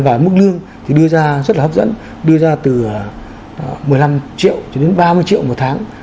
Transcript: và mức lương thì đưa ra rất là hấp dẫn đưa ra từ một mươi năm triệu cho đến ba mươi triệu một tháng